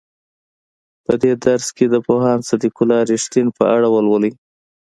په دې درس کې د پوهاند صدیق الله رښتین په اړه ولولئ.